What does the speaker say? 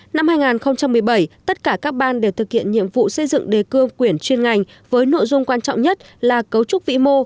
năm hai nghìn một mươi bảy tất cả các ban đều thực hiện nhiệm vụ xây dựng đề cương quyển chuyên ngành với nội dung quan trọng nhất là cấu trúc vĩ mô